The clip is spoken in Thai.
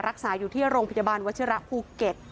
รักษาอยู่ที่โรงพยาบาลวัชิระภูเก็ต